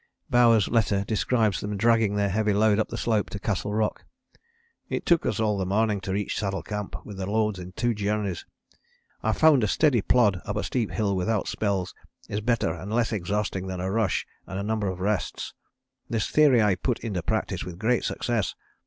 " Bowers' letter describes them dragging their heavy load up the slope to Castle Rock: "It took us all the morning to reach Saddle Camp with the loads in two journeys. I found a steady plod up a steep hill without spells is better and less exhausting than a rush and a number of rests. This theory I put into practice with great success.